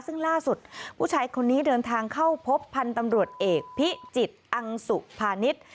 ซึ่งล่าสุดผู้ชายคนนี้เดินทางเข้าพบพันธุ์ตำรวจเอกพิจิตรอังสุภานิษฐ์